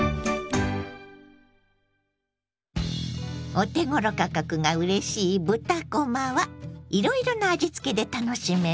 お手ごろ価格がうれしい豚こまはいろいろな味付けで楽しめます。